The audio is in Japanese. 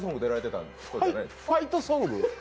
「ファイトソング」！？